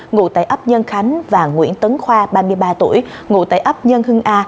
nguyễn khánh và nguyễn tấn khoa ba mươi ba tuổi ngụ tại ấp nhân hưng a